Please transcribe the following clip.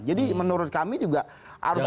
jadi menurut kami juga harus ada